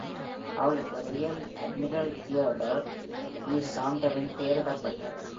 அவளுக்கு rear admiral Theodore E. சாண்ட்லரின் பெயரிடப்பட்டது.